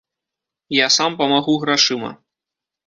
Я сам памагу грашыма.